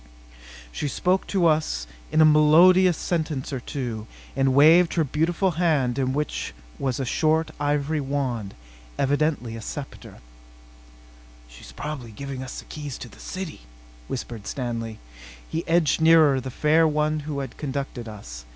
She spoke to us a melodious sentence or two, and waved her beautiful hand in which was a short ivory wand, evidently a scepter. "She's probably giving us the keys to the city," whispered Stanley. He edged nearer the fair one who had conducted us.